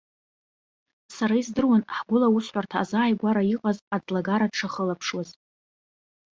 Сара издыруан, ҳгәыла аусҳәарҭа азааигәара иҟаз аӡлагара дшахылаԥшуаз.